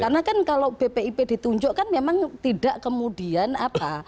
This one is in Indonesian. karena kan kalau bpip ditunjukkan memang tidak kemudian apa